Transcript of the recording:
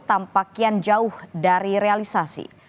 tampak kian jauh dari realisasi